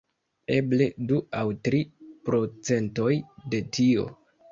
Eble du aŭ tri procentoj de tio.